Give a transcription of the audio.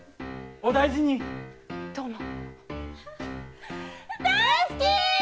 お大事にどうも大好き！